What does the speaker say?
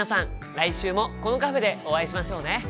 来週もこのカフェでお会いしましょうね。